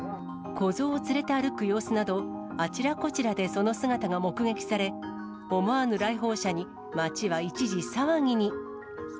子ゾウを連れて歩く様子など、あちらこちらでその姿が目撃され、思わぬ来訪者に街は一時騒ぎに。